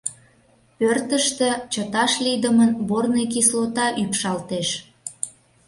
Пӧртыштӧ чыташ лийдымын борный кислота ӱпшалтеш.